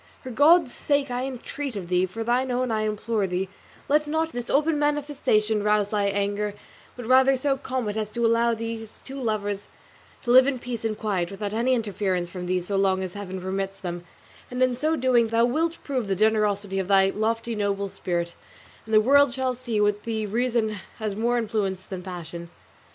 For God's sake I entreat of thee, for thine own I implore thee, let not this open manifestation rouse thy anger; but rather so calm it as to allow these two lovers to live in peace and quiet without any interference from thee so long as Heaven permits them; and in so doing thou wilt prove the generosity of thy lofty noble spirit, and the world shall see that with thee reason has more influence than passion."